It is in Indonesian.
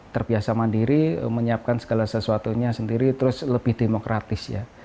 terbiasa mandiri menyiapkan segala sesuatunya sendiri terus lebih demokratis ya